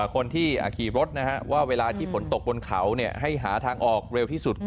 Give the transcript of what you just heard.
คนที่ขี่รถว่าเวลาที่ฝนตกบนเขาให้หาทางออกเร็วที่สุด